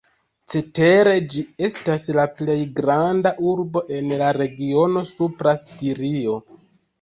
Cetere ĝi estas la plej granda urbo en la regiono Supra Stirio.